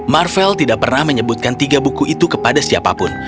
marvel tidak pernah menyebutkan tiga buku itu kepada siapapun